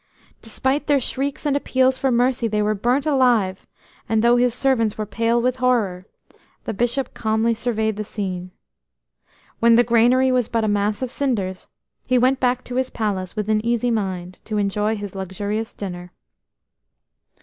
Despite their shrieks and appeals for mercy they were burnt alive, and though his servants were pale with horror, the Bishop calmly surveyed the scene. When the granary was but a mass of cinders, he went back to his palace with an easy mind to enjoy his luxurious dinner.